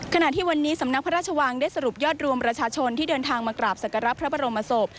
ขณะที่วันนี้สำนักพระราชวังได้สรุปยอดรวมประชาชนที่เดินทางมากราบสักการะพระบรมศพ